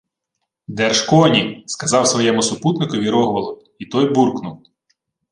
— Держ коні! — сказав своєму супутникові Рогволод, і той буркнув: